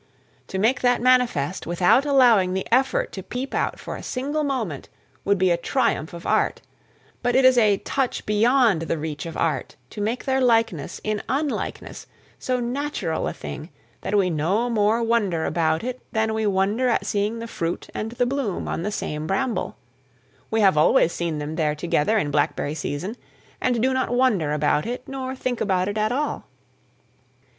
To make that manifest without allowing the effort to peep out for a single moment, would be a triumph of art; but it is a "touch beyond the reach of art" to make their likeness in unlikeness so natural a thing that we no more wonder about it than we wonder at seeing the fruit and the bloom on the same bramble: we have always seen them there together in blackberry season, and do not wonder about it nor think about it at all.